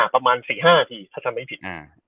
ประมาณ๔๕นาทีถ้าทำไม่ผิด